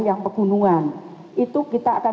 yang pegunungan itu kita akan